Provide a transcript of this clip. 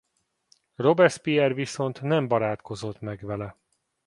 Robespierre viszont nem barátkozott meg vele.